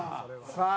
さあ